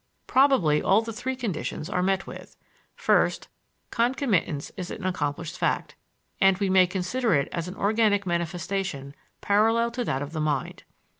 Probably all the three conditions are met with. First, concomitance is an accomplished fact, and we may consider it as an organic manifestation parallel to that of the mind.